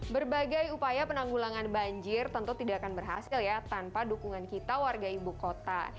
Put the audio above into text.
berbagai upaya penanggulangan banjir tentu tidak akan berhasil ya tanpa dukungan kita warga ibu kota